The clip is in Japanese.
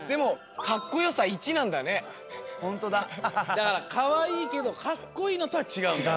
だからかわいいけどかっこいいのとはちがうんだね。